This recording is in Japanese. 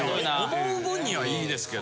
思うぶんにはいいですけど。